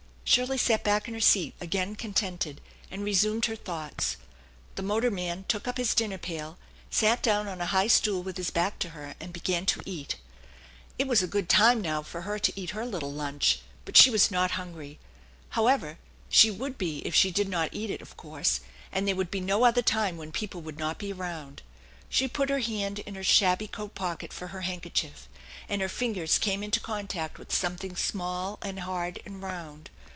Shirley sat back in her seat again contented, and resumed her thoughts. The motorman took up his dinner pail, sat down on a high stool with his back to her, and began to eat. It was a good time now for her to eat her little lunch, but she was not hungry. However, she would be if she did not eat it, of course; and there would be no other time when people would not be around. She put her hand in her shabby coat pocket for her handkerchief, and her fingers came into contact with something small and hard and round.